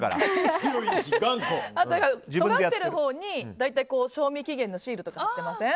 とがってるほうに大体、賞味期限のシールとか貼ってません？